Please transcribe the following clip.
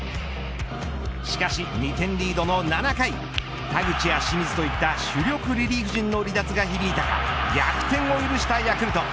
しかし２点リードの７回田口や清水といった主力リリーフ陣の離脱が響いたか逆転を許したヤクルト。